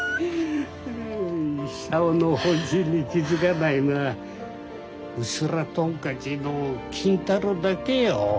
久男の本心に気付かないのはうすらトンカチの金太郎だけよ。